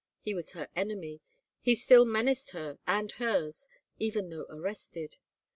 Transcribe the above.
He was her enemy ; he still menaced her and hers, even though arrested.